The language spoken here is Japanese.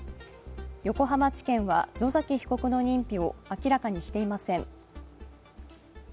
横浜地検は野崎被告の認否を明らかにしていません。